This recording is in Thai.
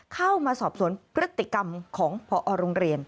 เข้ามาสอบสวนพฤติกรรมของพอโรงเรียน